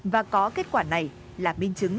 và có kết quả này là minh chứng